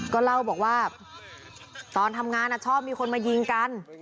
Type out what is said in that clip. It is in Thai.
ก็เล่าบอกว่าตอนทำงานชอบมีคนมายิงกัน